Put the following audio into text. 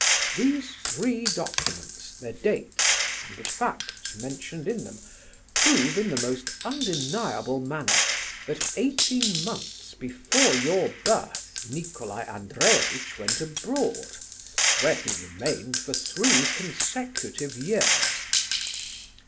These three documents, their dates, and the facts mentioned in them, prove in the most undeniable manner, that eighteen months before your birth, Nicolai Andreevitch went abroad, where he remained for three consecutive years.